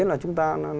là chúng ta